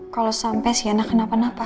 kalau sampai shena kenapa napa